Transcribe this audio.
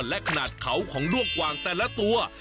และขนาดเขาของด้วงกวางแต่ละตัว